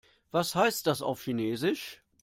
Was heißt das auf Chinesisch?